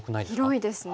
広いですね。